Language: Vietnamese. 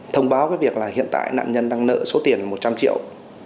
thông báo với việc là hiện tại nạn nhân đang nợ số tiền một trăm linh triệu